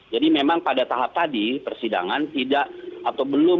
jadi memang pada tahap tadi persidangan tidak atau belum